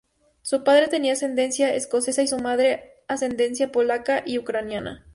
Su padre tenía ascendencia escocesa y su madre ascendencia polaca y ucraniana.